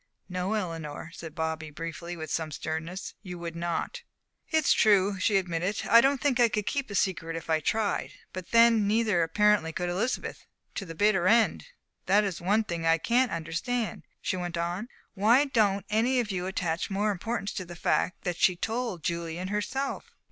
"No, Eleanor," said Bobby, briefly and with some sternness, "you would not." "It's true," she admitted, "I don't think I could keep a secret if I tried. But then neither apparently could Elizabeth to the bitter end. That is one thing I can't understand," she went on, "why you don't any of you attach more importance to the fact that she told Julian herself."